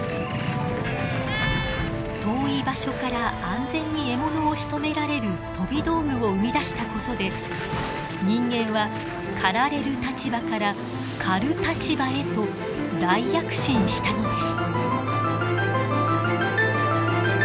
遠い場所から安全に獲物をしとめられる飛び道具を生み出したことで人間は狩られる立場から狩る立場へと大躍進したのです。